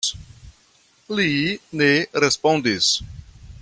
Li ne respondis.